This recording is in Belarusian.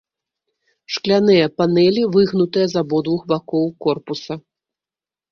Шкляныя панэлі выгнутыя з абодвух бакоў корпуса.